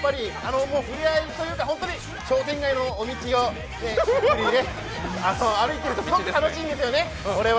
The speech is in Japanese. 触れ合いというか商店街のお道を歩いているとすごい楽しいんですよね。